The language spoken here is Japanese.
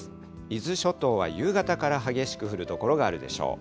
伊豆諸島は夕方から激しく降る所があるでしょう。